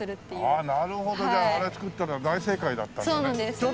なるほどじゃああれ造ったのは大正解だったんですね。